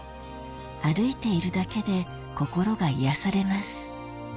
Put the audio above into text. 歩いているだけで心が癒やされます